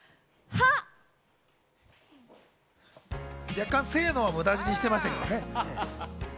若干「せの」は無駄死にしてましたけどね。